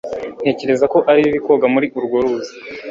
ntekereza ko ari bibi koga muri urwo ruzi